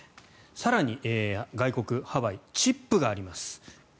更に外国、ハワイチップがあります。